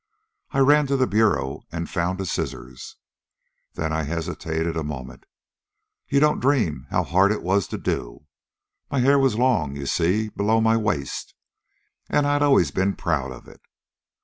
I ran to the bureau and found a scissors. Then I hesitated a moment. You don't dream how hard it was to do. My hair was long, you see, below my waist. And I had always been proud of it.